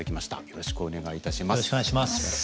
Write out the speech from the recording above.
よろしくお願いします。